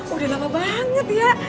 udah lama banget ya